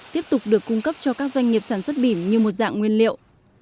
tiếp tục được cung cấp cho các doanh nghiệp sản xuất bìm như một dạng nguyên liệu